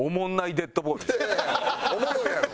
いやいやおもろいやろ。